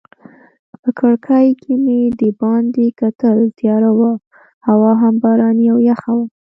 په کړکۍ کې مې دباندې کتل، تیاره وه هوا هم باراني او یخه وه.